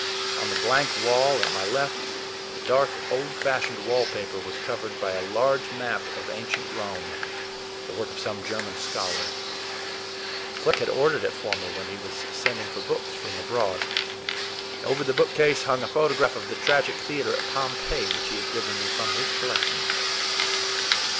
On the blank wall at my left the dark, old fashioned wall paper was covered by a large map of ancient Rome, the work of some German scholar. Cleric had ordered it for me when he was sending for books from abroad. Over the bookcase hung a photograph of the Tragic Theater at Pompeii, which he had given me from his collection.